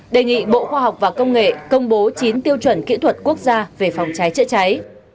đề nghị bộ khoa học và công nghệ công bố chín tiêu chuẩn kỹ thuật quốc gia về phòng cháy chữa cháy